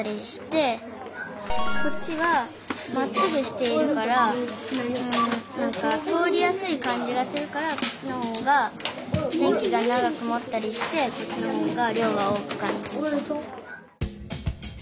こっちはまっすぐしているからなんか通りやすい感じがするからこっちのほうが電気が長くもったりしてこっちのほうがりょうが大きく感じると。